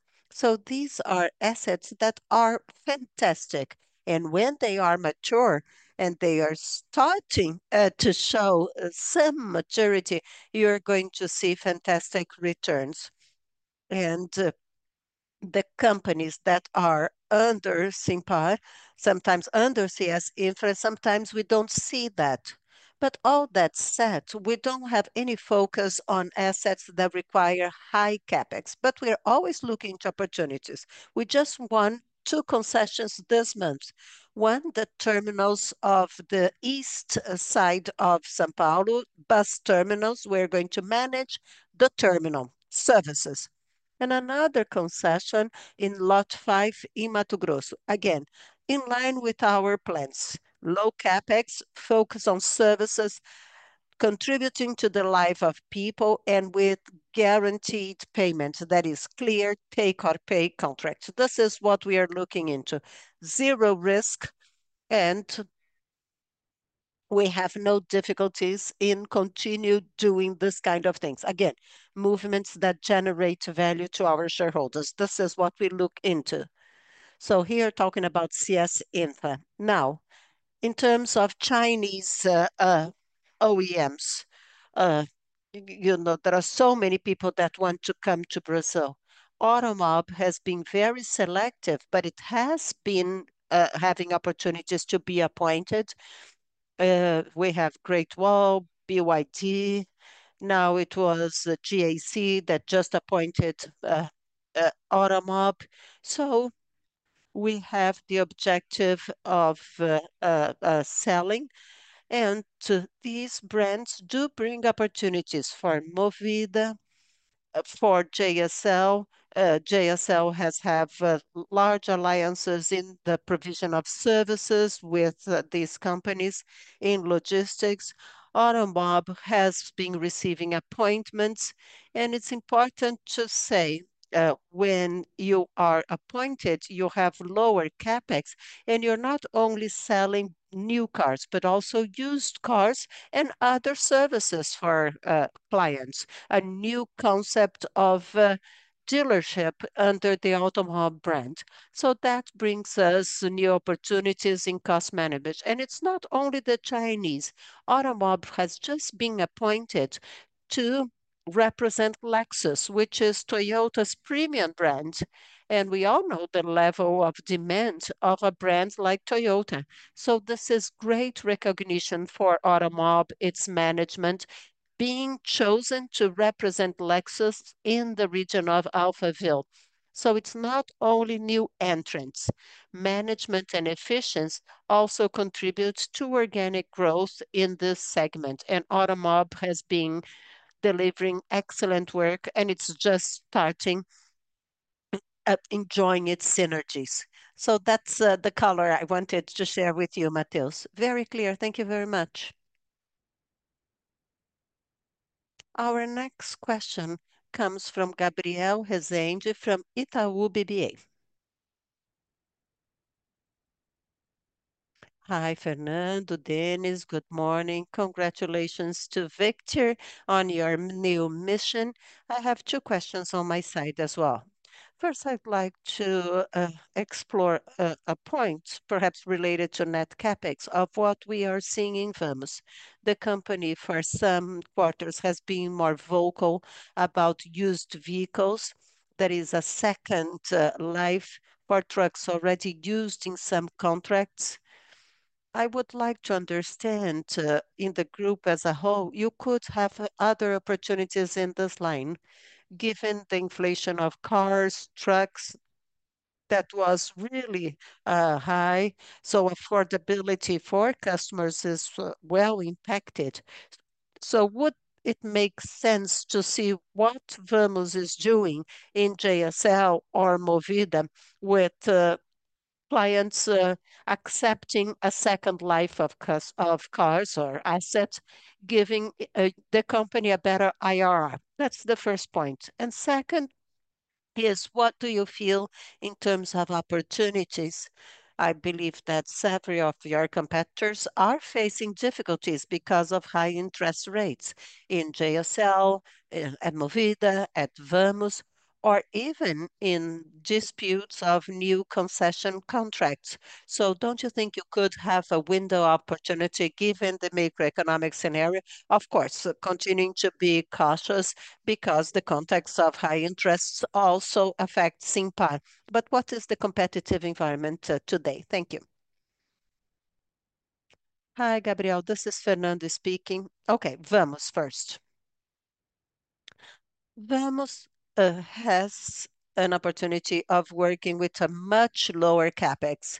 These are assets that are fantastic. When they are mature and they are starting to show some maturity, you're going to see fantastic returns. The companies that are under SIMPAR, sometimes under CS Infra, sometimes we don't see that. All that said, we don't have any focus on assets that require high CapEx, but we're always looking to opportunities. We just won two concessions this month. One, the terminals of the east side of São Paulo, bus terminals. We're going to manage the terminal services. Another concession in Lote 5 in Mato Grosso. Again, in line with our plans, low CapEx, focus on services, contributing to the life of people and with guaranteed payment. That is clear take or pay contract. This is what we are looking into. Zero risk and we have no difficulties in continuing doing this kind of things. Again, movements that generate value to our shareholders. This is what we look into. Here talking about CS Infra. Now, in terms of Chinese OEMs, you know, there are so many people that want to come to Brazil. Automob has been very selective, but it has been having opportunities to be appointed. We have Great Wall, BYD. Now it was GAC that just appointed Automob. We have the objective of selling. These brands do bring opportunities for Movida, for JSL. JSL has had large alliances in the provision of services with these companies in logistics. Automob has been receiving appointments. It is important to say, when you are appointed, you have lower CapEx and you are not only selling new cars, but also used cars and other services for clients. A new concept of dealership under the Automob brand. That brings us new opportunities in cost management. It is not only the Chinese. Automob has just been appointed to represent Lexus, which is Toyota's premium brand. We all know the level of demand of a brand like Toyota. This is great recognition for Automob, its management being chosen to represent Lexus in the region of Alphaville. It is not only new entrants. Management and efficiency also contribute to organic growth in this segment. Automob has been delivering excellent work and it is just starting enjoying its synergies. That is the color I wanted to share with you, Matheus. Very clear. Thank you very much. Our next question comes from Gabriel Rezende from Itaú BBA. Hi, Fernando, Denys. Good morning. Congratulations to Victor on your new mission. I have two questions on my side as well. First, I'd like to explore a point perhaps related to net CapEx of what we are seeing in Vamos. The company for some quarters has been more vocal about used vehicles. That is a second life for trucks already used in some contracts. I would like to understand, in the group as a whole, you could have other opportunities in this line given the inflation of cars, trucks that was really high. So affordability for customers is well impacted. Would it make sense to see what Vamos is doing in JSL or Movida with clients, accepting a second life of cars or assets, giving the company a better IRR? That's the first point. Second is, what do you feel in terms of opportunities? I believe that several of your competitors are facing difficulties because of high interest rates in JSL, at Movida, at Vamos, or even in disputes of new concession contracts. Do not you think you could have a window opportunity given the macroeconomic scenario? Of course, continuing to be cautious because the context of high interests also affects SIMPAR. What is the competitive environment today? Thank you. Hi, Gabriel. This is Fernando speaking. Okay, Vamos first. Vamos has an opportunity of working with a much lower CapEx.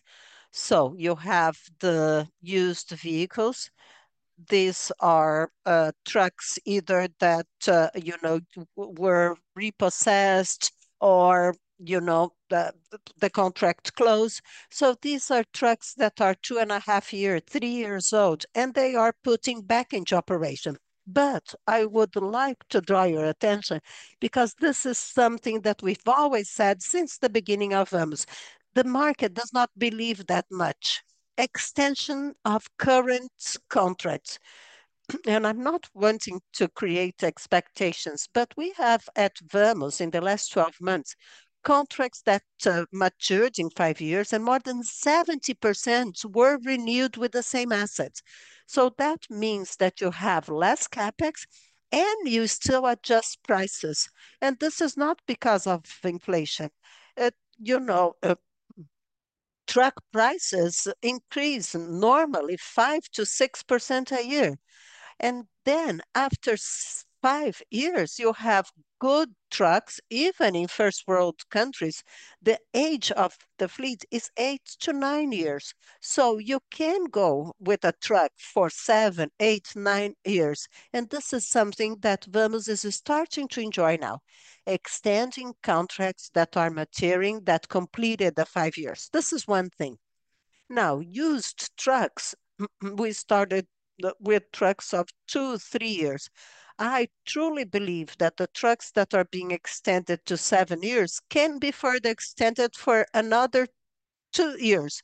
You have the used vehicles. These are trucks either that, you know, were repossessed or, you know, the contract closed. These are trucks that are two and a half years, three years old, and they are putting back into operation. I would like to draw your attention because this is something that we've always said since the beginning of Vamos. The market does not believe that much. Extension of current contracts. I'm not wanting to create expectations, but we have at Vamos in the last 12 months contracts that matured in five years and more than 70% were renewed with the same assets. That means that you have less CapEx and you still adjust prices. This is not because of inflation. You know, truck prices increase normally 5%-6% a year. After five years, you have good trucks, even in first world countries. The age of the fleet is eight to nine years. You can go with a truck for seven, eight, nine years. This is something that Vamos is starting to enjoy now. Extending contracts that are maturing, that completed the five years. This is one thing. Now, used trucks, we started with trucks of two, three years. I truly believe that the trucks that are being extended to seven years can be further extended for another two years.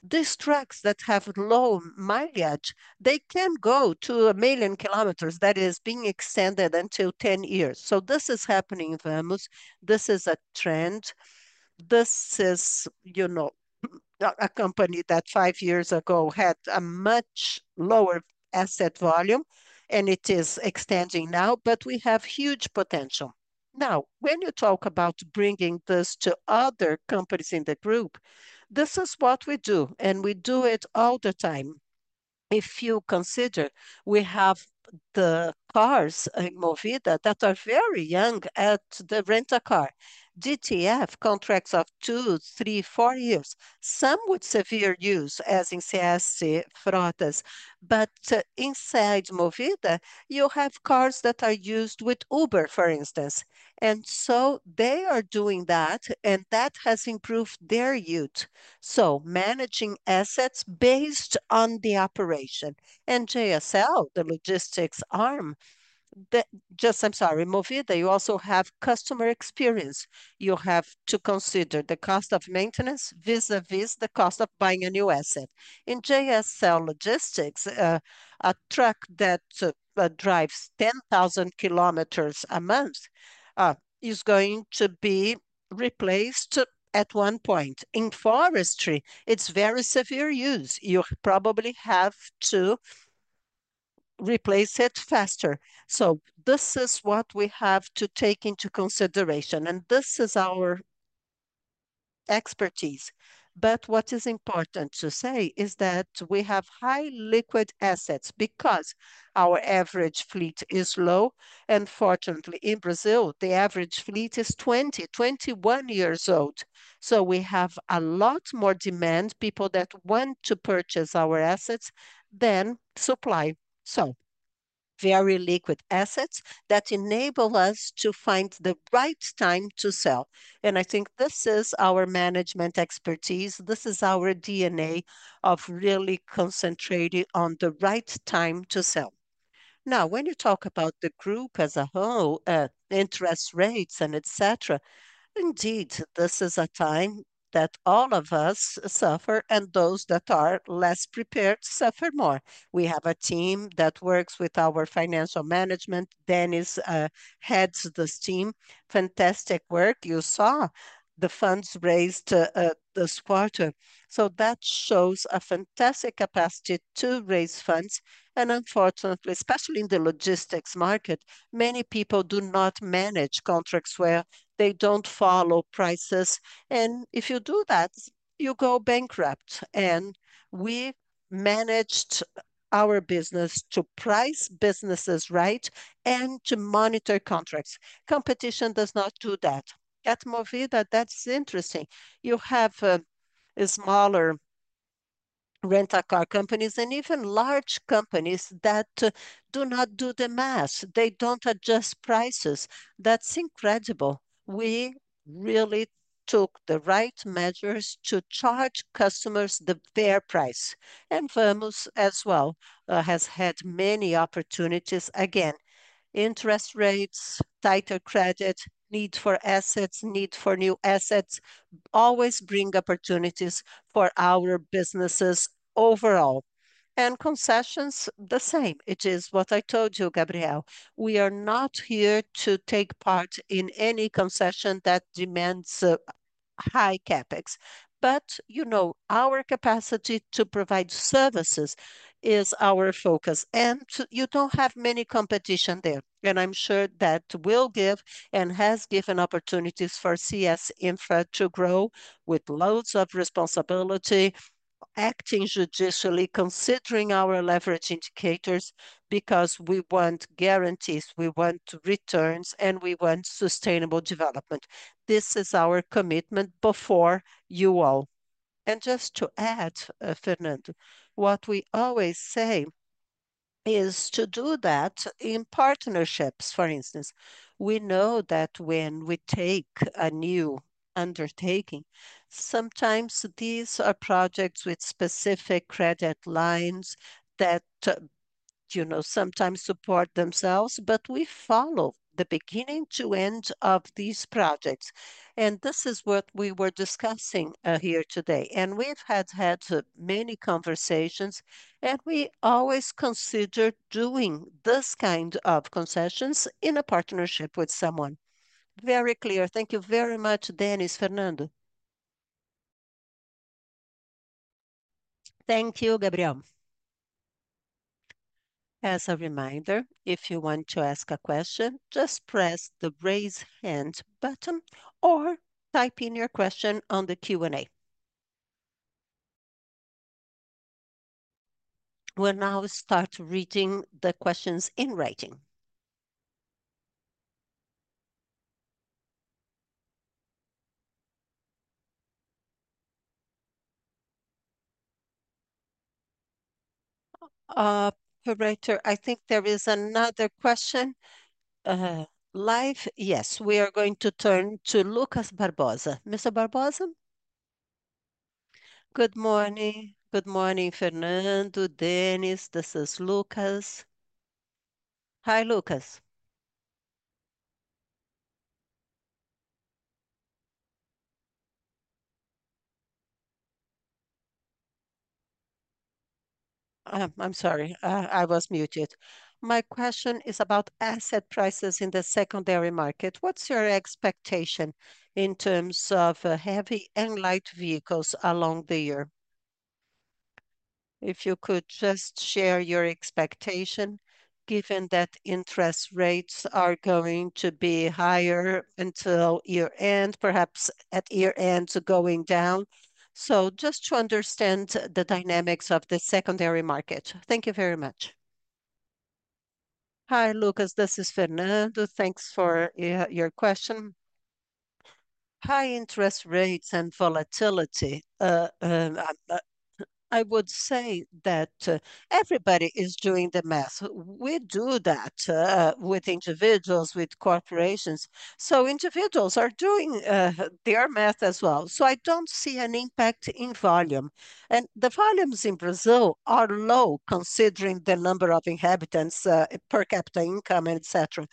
These trucks that have low mileage, they can go to a million kilometers that is being extended until 10 years. This is happening in Vamos. This is a trend. This is, you know, a company that five years ago had a much lower asset volume and it is extending now, but we have huge potential. Now, when you talk about bringing this to other companies in the group, this is what we do and we do it all the time. If you consider, we have the cars in Movida that are very young at the rental car, DTF contracts of two, three, four years, some with severe use as in CS Frotas. Inside Movida, you have cars that are used with Uber, for instance. They are doing that and that has improved their yield. Managing assets based on the operation and JSL, the logistics arm, that just, I'm sorry, Movida, you also have customer experience. You have to consider the cost of maintenance vis-à-vis the cost of buying a new asset. In JSL Logistics, a truck that drives 10,000 km a month is going to be replaced at one point. In forestry, it is very severe use. You probably have to replace it faster. This is what we have to take into consideration. This is our expertise. What is important to say is that we have high liquid assets because our average fleet is low. Fortunately, in Brazil, the average fleet is 20-21 years old. We have a lot more demand, people that want to purchase our assets than supply. Very liquid assets that enable us to find the right time to sell. I think this is our management expertise. This is our DNA of really concentrating on the right time to sell. Now, when you talk about the group as a whole, interest rates and et cetera, indeed, this is a time that all of us suffer and those that are less prepared suffer more. We have a team that works with our financial management. Denys heads this team. Fantastic work. You saw the funds raised this quarter. That shows a fantastic capacity to raise funds. Unfortunately, especially in the logistics market, many people do not manage contracts where they do not follow prices. If you do that, you go bankrupt. We managed our business to price businesses right and to monitor contracts. Competition does not do that. At Movida, that is interesting. You have smaller rental car companies and even large companies that do not do the math. They do not adjust prices. That is incredible. We really took the right measures to charge customers the fair price. Vamos as well has had many opportunities. Again, interest rates, tighter credit, need for assets, need for new assets always bring opportunities for our businesses overall. Concessions, the same. It is what I told you, Gabriel. We are not here to take part in any concession that demands a high CapEx. You know, our capacity to provide services is our focus. You do not have many competition there. I am sure that will give and has given opportunities for CS Infra to grow with loads of responsibility, acting judicially, considering our leverage indicators because we want guarantees, we want returns, and we want sustainable development. This is our commitment before you all. Just to add, Fernando, what we always say is to do that in partnerships, for instance. We know that when we take a new undertaking, sometimes these are projects with specific credit lines that, you know, sometimes support themselves, but we follow the beginning to end of these projects. This is what we were discussing here today. We have had many conversations and we always consider doing this kind of concessions in a partnership with someone. Very clear. Thank you very much, Denys, Fernando. Thank you, Gabriel. As a reminder, if you want to ask a question, just press the raise hand button or type in your question on the Q&A. We'll now start reading the questions in writing. Operator, I think there is another question live. Yes, we are going to turn to Lucas Barbosa. Mr. Barbosa? Good morning. Good morning, Fernando. Denys, this is Lucas. Hi, Lucas. I'm sorry, I was muted. My question is about asset prices in the secondary market. What's your expectation in terms of heavy and light vehicles along the year? If you could just share your expectation, given that interest rates are going to be higher until year-end, perhaps at year-end going down. Just to understand the dynamics of the secondary market. Thank you very much. Hi, Lucas. This is Fernando. Thanks for your question. High interest rates and volatility. I would say that everybody is doing the math. We do that, with individuals, with corporations. Individuals are doing their math as well. I do not see an impact in volume. The volumes in Brazil are low considering the number of inhabitants, per capita income, et cetera.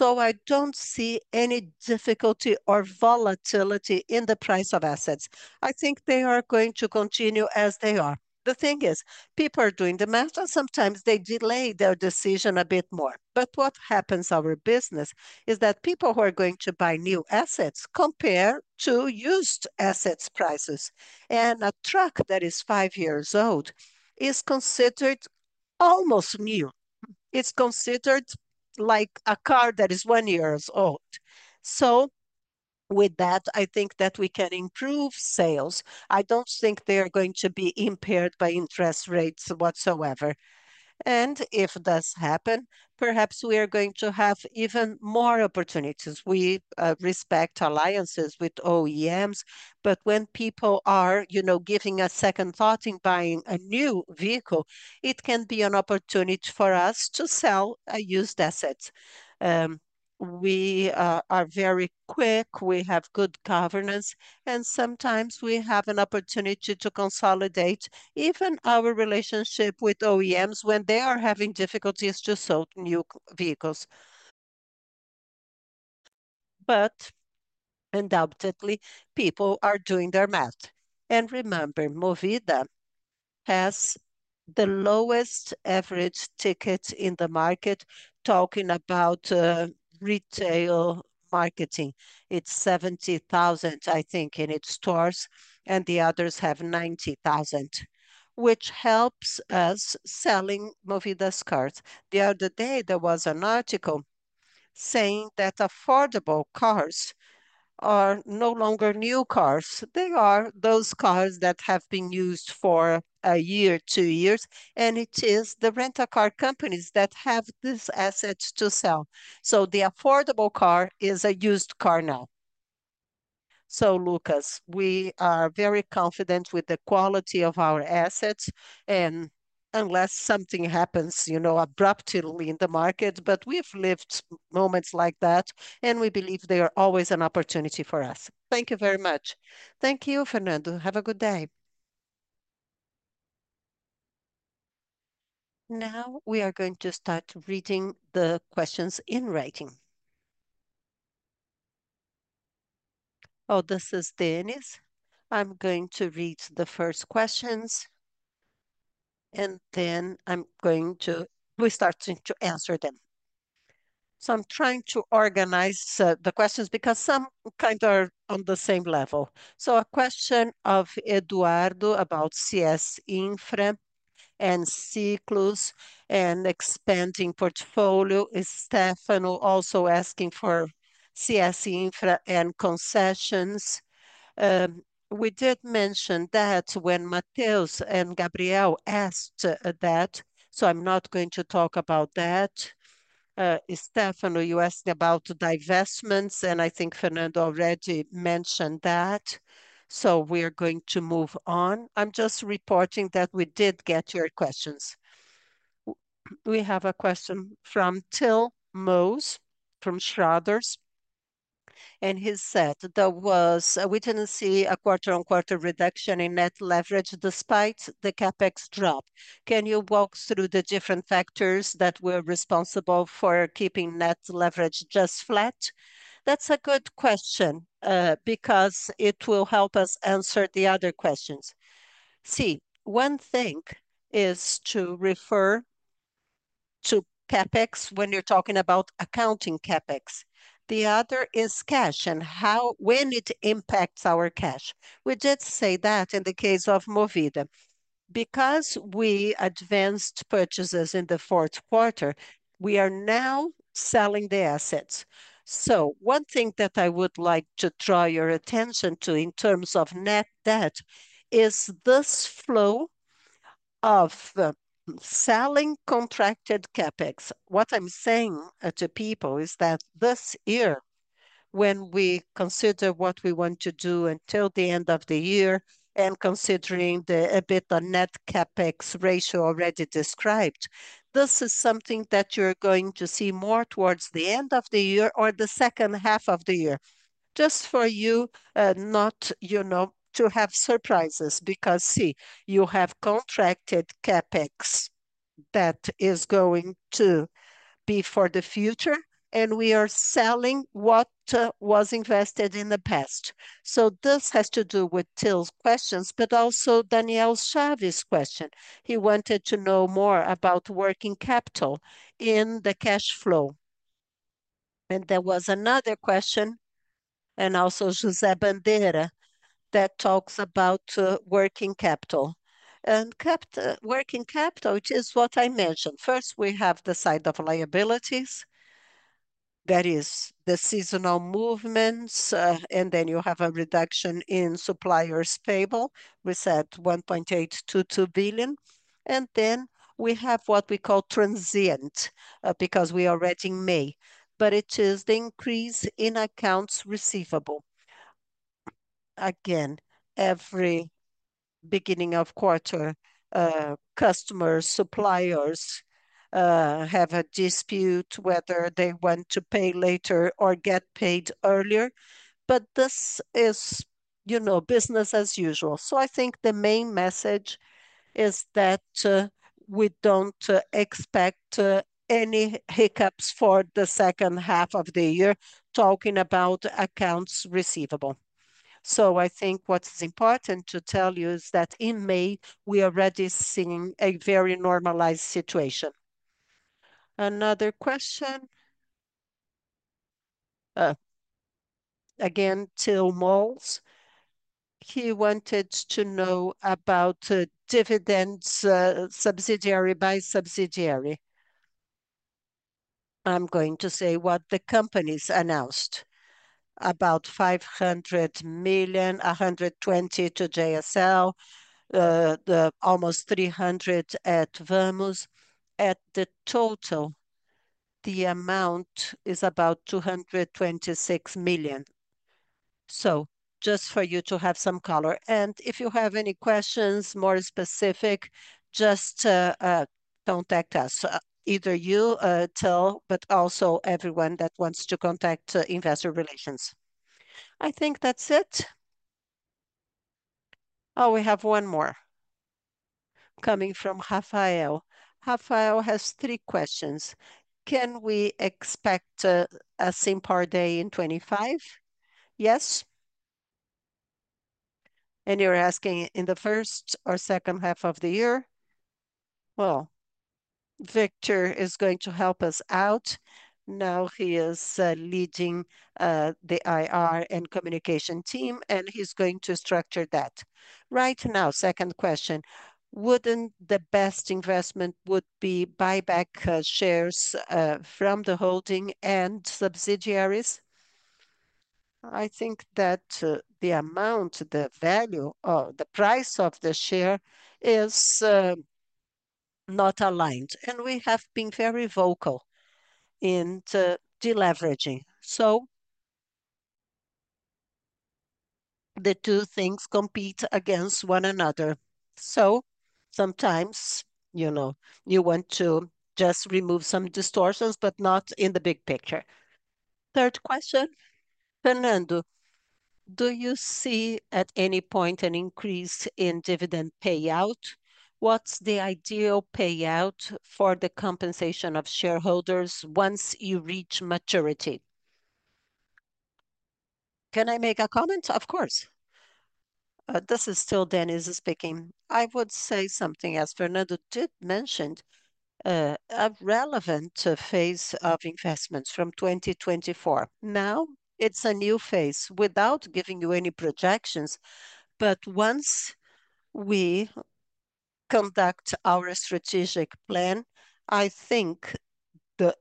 I do not see any difficulty or volatility in the price of assets. I think they are going to continue as they are. The thing is, people are doing the math and sometimes they delay their decision a bit more. What happens in our business is that people who are going to buy new assets compare to used assets prices. A truck that is five years old is considered almost new. It is considered like a car that is one year old. With that, I think that we can improve sales. I do not think they are going to be impaired by interest rates whatsoever. If it does happen, perhaps we are going to have even more opportunities. We respect alliances with OEMs, but when people are, you know, giving a second thought in buying a new vehicle, it can be an opportunity for us to sell a used asset. We are very quick. We have good governance, and sometimes we have an opportunity to consolidate even our relationship with OEMs when they are having difficulties to sell new vehicles. Undoubtedly, people are doing their math. Remember, Movida has the lowest average ticket in the market, talking about retail marketing. It is 70,000, I think, in its stores, and the others have 90,000, which helps us selling Movida's cars. The other day, there was an article saying that affordable cars are no longer new cars. They are those cars that have been used for a year, two years, and it is the rental car companies that have these assets to sell. The affordable car is a used car now. Lucas, we are very confident with the quality of our assets, and unless something happens, you know, abruptly in the market, but we've lived moments like that, and we believe there are always an opportunity for us. Thank you very much. Thank you, Fernando. Have a good day. Now we are going to start reading the questions in writing. Oh, this is Denys. I'm going to read the first questions, and then I'm going to, we starting to answer them. I'm trying to organize the questions because some kind of are on the same level. A question of Eduardo about CS Infra and Ciclus and expanding portfolio. Stefano also asking for CS Infra and concessions. We did mention that when Matheus and Gabriel asked that, so I'm not going to talk about that. Stefano, you asked about divestments, and I think Fernando already mentioned that. We are going to move on. I'm just reporting that we did get your questions. We have a question from Till Mose from Schraders. He said there was, we didn't see a quarter-on-quarter reduction in net leverage despite the CapEx drop. Can you walk through the different factors that were responsible for keeping net leverage just flat? That's a good question, because it will help us answer the other questions. See, one thing is to refer to CapEx when you're talking about accounting CapEx. The other is cash and how, when it impacts our cash. We did say that in the case of Movida. Because we advanced purchases in the fourth quarter, we are now selling the assets. One thing that I would like to draw your attention to in terms of net debt is this flow of selling contracted CapEx. What I'm saying to people is that this year, when we consider what we want to do until the end of the year and considering the EBITDA net CapEx ratio already described, this is something that you're going to see more towards the end of the year or the second half of the year. Just for you, not, you know, to have surprises because see, you have contracted CapEx that is going to be for the future, and we are selling what was invested in the past. This has to do with Till's questions, but also Danielle Chavez's question. He wanted to know more about working capital in the cash flow. There was another question, and also Josée Bandeira that talks about working capital. Working capital, it is what I mentioned. First, we have the side of liabilities. That is the seasonal movements, and then you have a reduction in supplier stable. We said 1.822 billion. Then we have what we call transient because we are already in May, but it is the increase in accounts receivable. Again, every beginning of quarter, customers, suppliers, have a dispute whether they want to pay later or get paid earlier. This is, you know, business as usual. I think the main message is that we do not expect any hiccups for the second half of the year talking about accounts receivable. I think what is important to tell you is that in May, we are already seeing a very normalized situation. Another question. Again, Till Moles, he wanted to know about dividends, subsidiary by subsidiary. I'm going to say what the companies announced, about 500 million, 120 million to JSL, the almost 300 million at Vamos. At the total, the amount is about 226 million. Just for you to have some color. If you have any questions, more specific, just contact us. Either you, Till, but also everyone that wants to contact investor relations. I think that's it. Oh, we have one more coming from Rafael. Rafael has three questions. Can we expect a SIMPAR day in 2025? Yes. You're asking in the first or second half of the year? Victor is going to help us out. Now he is leading the IR and communication team, and he's going to structure that. Right now, second question, wouldn't the best investment be buyback shares from the holding and subsidiaries? I think that the amount, the value, or the price of the share is not aligned. We have been very vocal in deleveraging. The two things compete against one another. Sometimes, you know, you want to just remove some distortions, but not in the big picture. Third question, Fernando, do you see at any point an increase in dividend payout? What's the ideal payout for the compensation of shareholders once you reach maturity? Can I make a comment? Of course. This is still Denys speaking. I would say something, as Fernando did mention, a relevant phase of investments from 2024. Now it's a new phase without giving you any projections, but once we conduct our strategic plan, I think the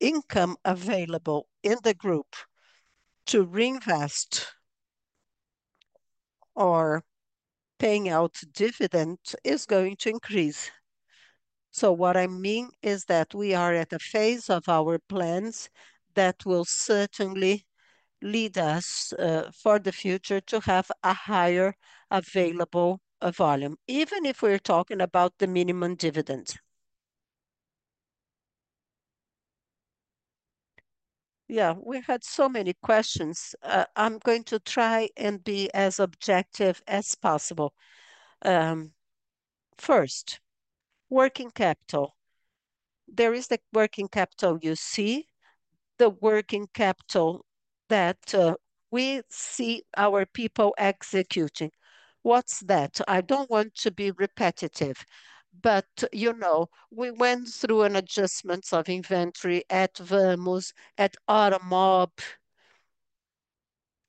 income available in the group to reinvest or paying out dividend is going to increase. What I mean is that we are at a phase of our plans that will certainly lead us for the future to have a higher available volume, even if we're talking about the minimum dividend. Yeah, we had so many questions. I'm going to try and be as objective as possible. First, working capital. There is the working capital you see, the working capital that we see our people executing. What's that? I don't want to be repetitive, but you know, we went through an adjustment of inventory at Vamos, at Automob.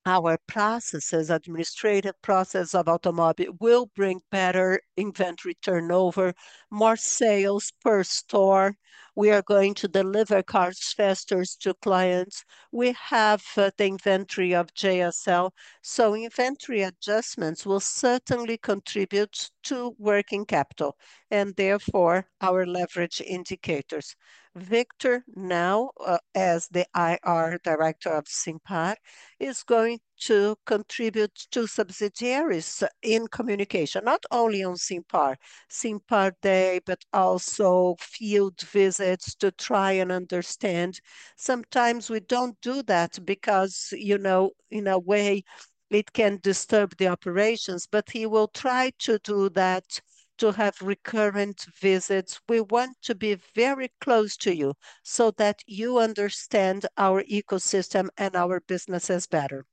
Our processes, administrative process of Automob, will bring better inventory turnover, more sales per store. We are going to deliver cars faster to clients. We have the inventory of JSL. Inventory adjustments will certainly contribute to working capital and therefore our leverage indicators. Victor, now as the IR Director of SIMPAR, is going to contribute to subsidiaries in communication, not only on SIMPAR, SIMPAR day, but also field visits to try and understand. Sometimes we do not do that because, you know, in a way, it can disturb the operations, but he will try to do that to have recurrent visits. We want to be very close to you so that you understand our ecosystem and our businesses better.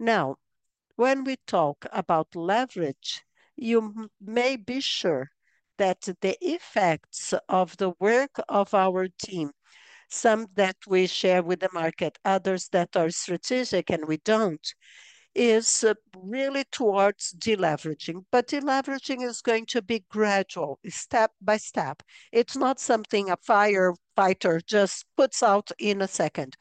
Now, when we talk about leverage, you may be sure that the effects of the work of our team, some that we share with the market, others that are strategic and we do not, is really towards deleveraging. Deleveraging is going to be gradual, step by step. It is not something a firefighter just puts out in a second.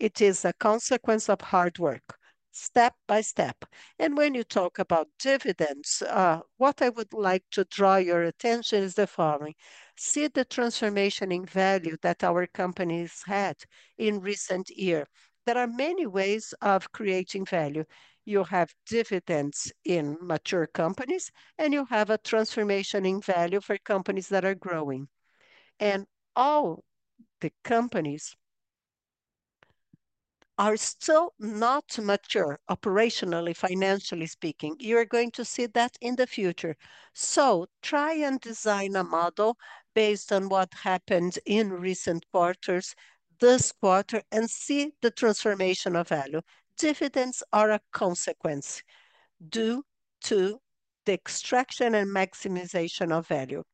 It is a consequence of hard work, step by step. When you talk about dividends, what I would like to draw your attention to is the following. See the transformation in value that our companies had in recent years. There are many ways of creating value. You have dividends in mature companies, and you have a transformation in value for companies that are growing. All the companies are still not mature operationally, financially speaking. You're going to see that in the future. Try and design a model based on what happened in recent quarters, this quarter, and see the transformation of value. Dividends are a consequence due to the extraction and maximization of value.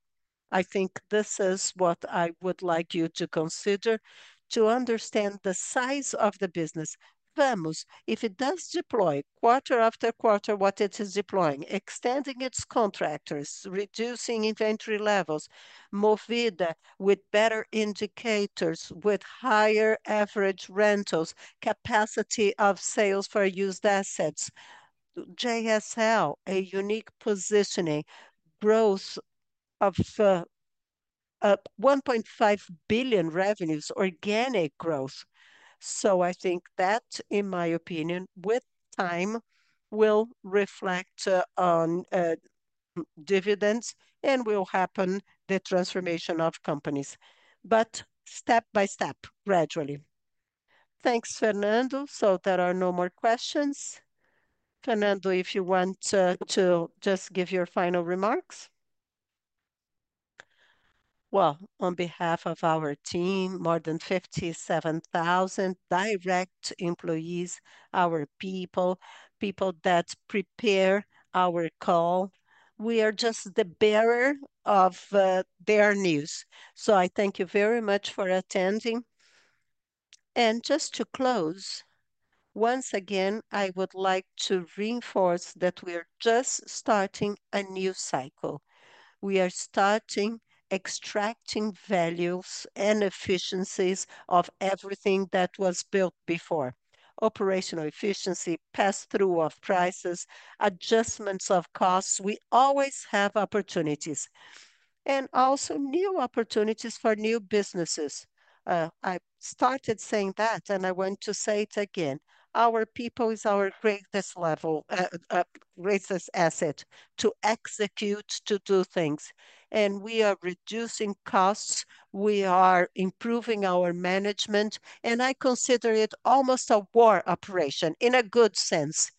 I think this is what I would like you to consider to understand the size of the business. Vamos, if it does deploy quarter after quarter, what it is deploying, extending its contractors, reducing inventory levels, Movida with better indicators, with higher average rentals, capacity of sales for used assets, JSL, a unique positioning, growth of 1.5 billion revenues, organic growth. I think that, in my opinion, with time, will reflect on, dividends and will happen the transformation of companies. Step by step, gradually. Thanks, Fernando. There are no more questions. Fernando, if you want to just give your final remarks. On behalf of our team, more than 57,000 direct employees, our people, people that prepare our call, we are just the bearer of their news. I thank you very much for attending. Just to close, once again, I would like to reinforce that we are just starting a new cycle. We are starting extracting values and efficiencies of everything that was built before: operational efficiency, pass-through of prices, adjustments of costs. We always have opportunities and also new opportunities for new businesses. I started saying that, and I want to say it again. Our people is our greatest level, greatest asset to execute, to do things. We are reducing costs. We are improving our management. I consider it almost a war operation in a good sense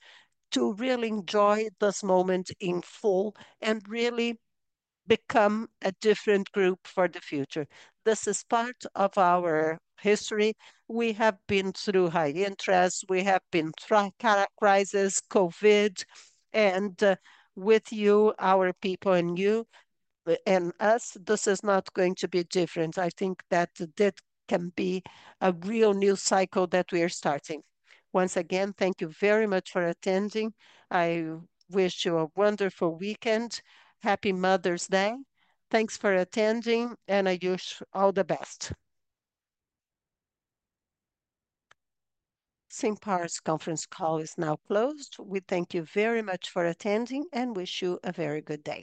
to really enjoy this moment in full and really become a different group for the future. This is part of our history. We have been through high interest. We have been through crisis, COVID. With you, our people, and you and us, this is not going to be different. I think that this can be a real new cycle that we are starting. Once again, thank you very much for attending. I wish you a wonderful weekend. Happy Mother's Day. Thanks for attending, and I wish all the best. SIMPAR's conference call is now closed. We thank you very much for attending and wish you a very good day.